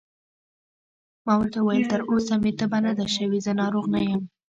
ما ورته وویل: تر اوسه مې تبه نه ده شوې، زه ناروغ نه یم.